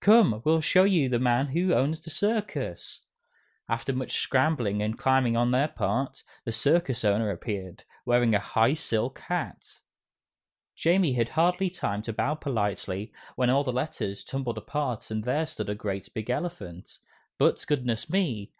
"Come, we'll show you the man who owns the circus!" After much scrambling and climbing on their part, the circus owner appeared, wearing a high silk hat. Jamie had hardly time to bow politely, when all the letters tumbled apart and there stood a great, big elephant. But, goodness me!